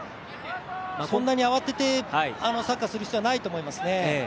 こんなに慌ててサッカーをする必要はないと思いますね。